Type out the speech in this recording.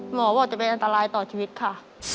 หมอบอกจะเป็นอันตรายต่อชีวิตค่ะ